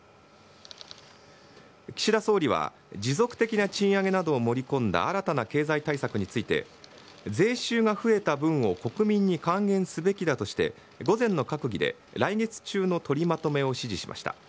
岸田総理は、持続的な賃上げなどを盛り込んだ新たな経済対策について、税収が増えた分を国民に還元すべきだとして、午前の閣議で来月中の取りまとめを指示しました。